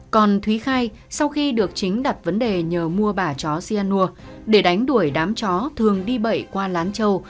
còn thúy khai sau khi được chính đặt vấn đề nhờ mua bả chó sianua để đánh đuổi đám chó thường đi bậy qua lán châu